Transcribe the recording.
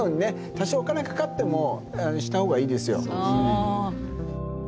多少お金かかってもした方がいいですよ。